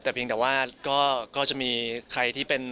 แต่เพียงแต่ว่าก็จะมีใครที่เป็น